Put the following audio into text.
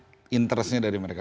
kita agitate interestnya dari mereka